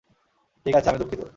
ঠিক আছে, আমি দুঃখিত।